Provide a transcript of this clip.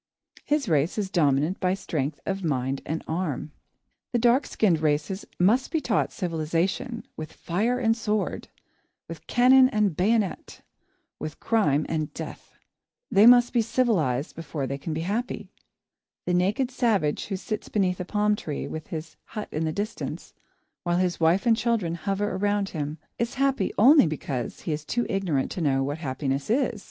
His race is dominant by strength of mind and arm. The dark skinned races must be taught civilisation, with fire and sword, with cannon and bayonet, with crime and death. They must be civilised before they can be happy. The naked savage who sits beneath a palm tree, with his hut in the distance, while his wife and children hover around him, is happy only because he is too ignorant to know what happiness is.